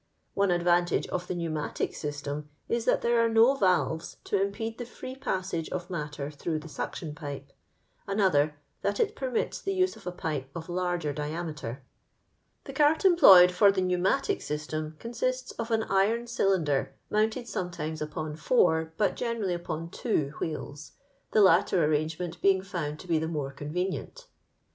One advantage of the pneumatio system is, that there are no valves to impede the tree passage of matter through the suction pipe; another, that it per mits the use of a pipe of larger diameter. The eati employed fat the_ ^ tem consiste of an iroii cylinderi sometimee upon four, but genecallj mm teo wheels, the latter airangemeiit being found to be the more convenient.